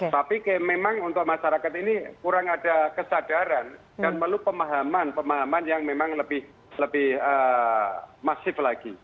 tapi memang untuk masyarakat ini kurang ada kesadaran dan perlu pemahaman pemahaman yang memang lebih masif lagi